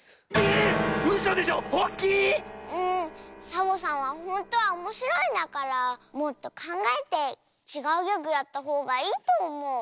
サボさんはほんとはおもしろいんだからもっとかんがえてちがうギャグやったほうがいいとおもう。